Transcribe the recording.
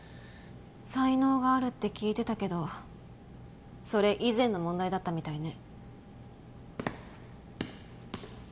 才能があるって聞いてたけどそれ以前の問題だったみたいね